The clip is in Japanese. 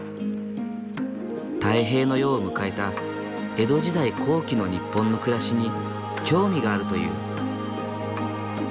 太平の世を迎えた江戸時代後期の日本の暮らしに興味があるという。